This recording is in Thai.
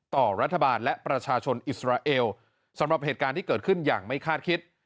ต่อรัฐบาลและประชาชนอิสราเอลสำหรับเหตุการณ์ที่เกิดขึ้นอย่างไม่คาดคิด